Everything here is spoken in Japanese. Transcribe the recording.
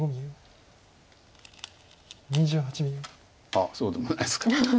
あっそうでもないですか。